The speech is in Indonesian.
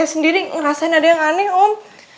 sendiri ngerasain ada yang aneh om